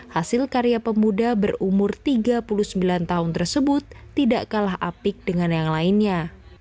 hasil karya pemuda berumur tiga puluh sembilan tahun tersebut tidak kalah apik dengan yang lainnya